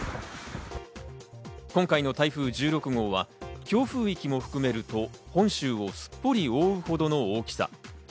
今回の台風１６号は、強風域も含めると、本州をすっぽり覆うほどの大きさ。